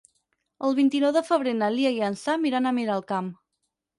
El vint-i-nou de febrer na Lia i en Sam iran a Miralcamp.